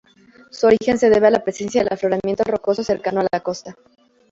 Su origen se debe a la presencia del afloramiento rocoso, cercano a la costa.